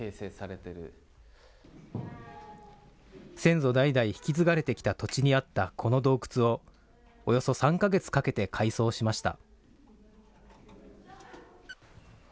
先祖代々、引き継がれてきた土地にあったこの洞窟を、およそ３か月かけて改装しました。